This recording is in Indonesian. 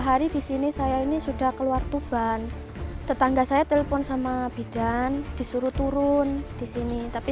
hari di sini saya ini sudah keluar tuban tetangga saya telepon sama bidan disuruh turun di sini tapi